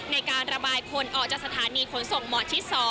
ในการระบายคนออกจากสถานีขนส่งหมอชิด๒